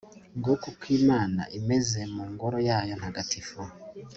nguko uko imana imeze mu ngoro yayo ntagatifu